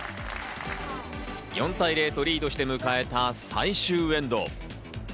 ４対０とリードして迎えた最終エンド。